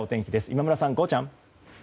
今村さん、ゴーちゃん。